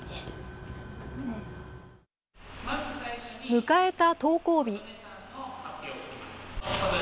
迎えた登校日。